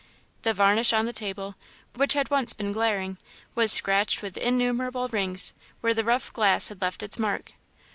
The varnish on the table, which had once been glaring, was scratched with innumerable rings, where the rough glass had left its mark.